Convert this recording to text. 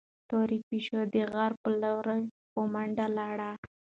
تورې پيشو د غره په لور په منډه لاړه.